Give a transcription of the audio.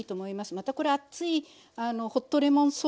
またこれあっついホットレモンソース？